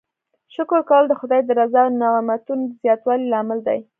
شکر کول د خدای د رضا او نعمتونو د زیاتوالي لامل دی.